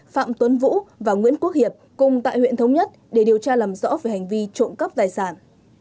phạm tuấn vũ và nguyễn quốc hiệp cùng tại huyện thống nhất để điều tra làm rõ về hành vi trộm cắp tài sản